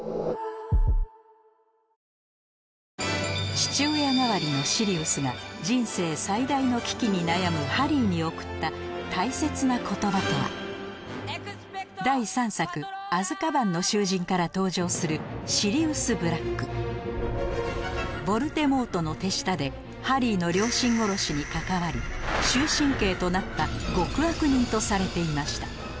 父親代わりのシリウスが人生最大の危機に悩むハリーに贈った大切な言葉とは？から登場するヴォルデモートの手下でハリーの両親殺しに関わり終身刑となった極悪人とされていました